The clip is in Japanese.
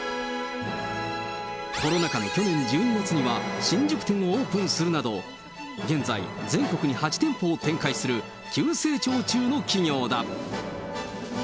コロナ禍の去年１２月には、新宿店をオープンするなど、現在、全国に８店舗を展開する急成長中の企業だ。